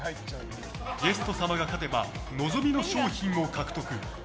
ゲスト様が勝てば望みの賞品を獲得。